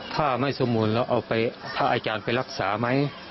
ถ้าไม่สมุนแล้วเอาไปพระอาจารย์ไปรักษาไหม